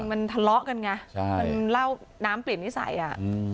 มันทะเลาะกันไงใช่มันเล่าน้ำเปลี่ยนนิสัยอ่ะอืม